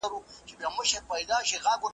ما د خون او قتل تخم دئ كرلى `